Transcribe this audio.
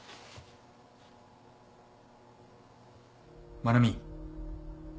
・真奈美。